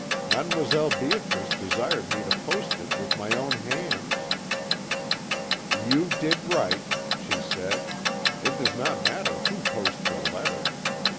Mademoiselle Beatrice desired me to post it with my own hands.' "'You did right,' she said. 'It does not matter who posts a letter.